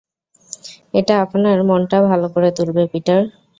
এটা আপনার মনটা ভালো করে তুলবে, পিটার।